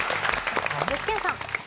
具志堅さん。